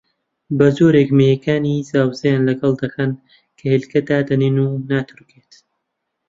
بەجۆرێک مێیەکانی زاوزێیان لەگەڵ دەکەن کە هێلکە دادەنێن و ناتروکێت